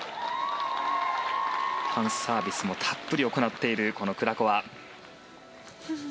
ファンサービスもたっぷり行っているクラコワ。